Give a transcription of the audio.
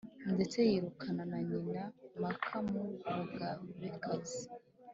Ndetse yirukana na nyina Māka mu bugabekazi